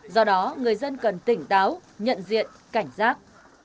do đó người dân cần tỉnh táo nhận diện cảnh giác